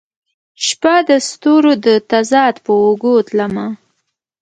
شپه د ستورو د تضاد په اوږو تلمه